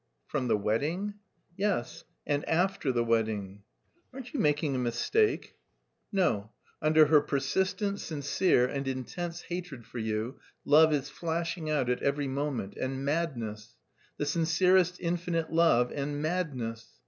"From the wedding?" "Yes, and after the wedding." "Aren't you making a mistake?" "No. Under her persistent, sincere, and intense hatred for you love is flashing out at every moment... and madness... the sincerest infinite love and... madness!